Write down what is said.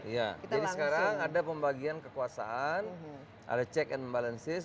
jadi sekarang ada pembagian kekuasaan ada check and balances